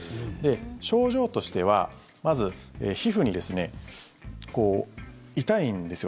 症状としてはまず、皮膚に痛いんですよ。